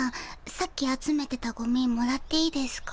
さっき集めてたゴミもらっていいですか？